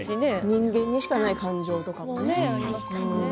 人間にしかない感情とかもありますしね。